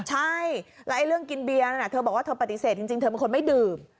ใช่แล้วเรื่องกินเบียร์เธอบอกว่าเธอปฏิเสธจริงเธอเป็นคนไม่ดื่ม